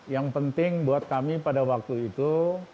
yang penting buat kami pada waktu itu